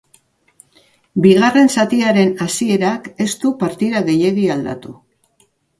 Bigarren zatiaren hasierak ez du partida gehiegi aldatu.